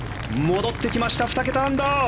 戻ってきました、２桁アンダー！